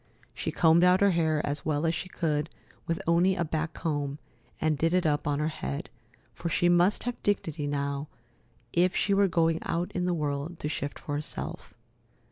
She combed out her hair as well as she could with only a back comb, and did it up on her head, for she must have dignity now if she were going out in the world to shift for herself.